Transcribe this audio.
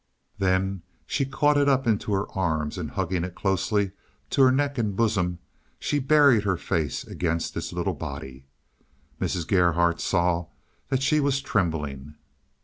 Then she caught it up into her arms, and hugging it closely to her neck and bosom, she buried her face against its little body. Mrs. Gerhardt saw that she was trembling.